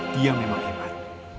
dia memang hebat